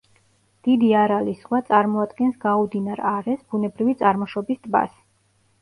დიდი არალის ზღვა წარმოადგენს გაუდინარ არეს, ბუნებრივი წარმოშობის ტბას.